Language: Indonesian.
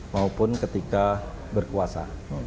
maupun ketika berkuasa